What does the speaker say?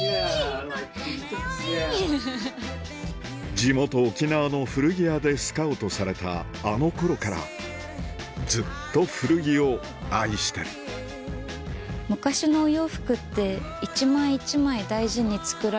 地元沖縄の古着屋でスカウトされたあの頃からずっと古着を愛してるちなみにこれは。